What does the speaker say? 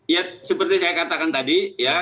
ya seperti saya katakan tadi ya